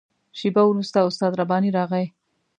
شېبه وروسته استاد رباني راغی.